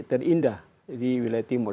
terindah di wilayah timur